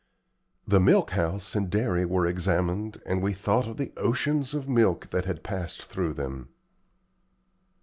The milk house and dairy were examined, and we thought of the oceans of milk that had passed through them.